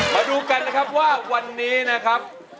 มาดูกันนะครับว่าวันนี้นะครับ